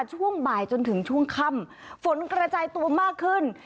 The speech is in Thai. ช่วงบ่ายจนถึงช่วงค่ำฝนกระจายตัวมากขึ้น